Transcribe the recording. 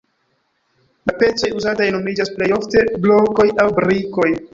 La pecoj uzataj nomiĝas plej ofte blokoj aŭ brikoj.